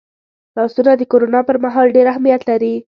لاسونه د کرونا پرمهال ډېر اهمیت لري